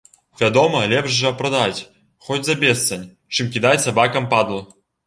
Вядома, лепш жа прадаць, хоць за бесцань, чым кідаць сабакам падлу.